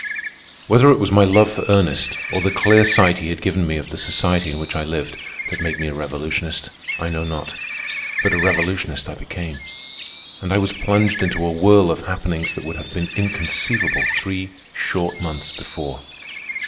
Whether it was my love for Ernest, or the clear sight he had given me of the society in which I lived, that made me a revolutionist, I know not; but a revolutionist I became, and I was plunged into a whirl of happenings that would have been inconceivable three short months before.